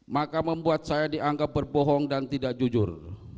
maka membuat saya dianggap berbohong dan tidak jujur